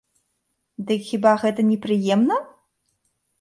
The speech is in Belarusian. Дык хіба гэта не прыемна?